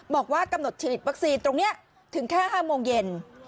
บอกว่ากำหนดฉีดวัคซีนตรงนี้ถึงแค่๕โมงเย็น